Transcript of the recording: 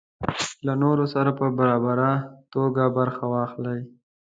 له نورو سره په برابره توګه برخه واخلي.